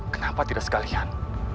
kenapa tidak sekalian